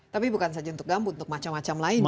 tapi bukan saja untuk gambut untuk macam macam lainnya